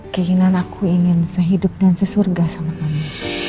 keinginan aku ingin sehidup dan sesurga sama kami